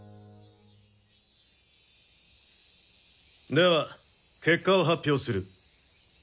では結果を発表する。